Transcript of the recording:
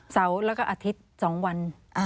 เสาร์แล้วก็อาทิตย์๒วัน